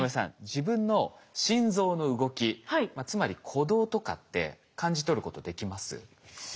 自分の心臓の動きつまり鼓動とかって感じ取ることできます？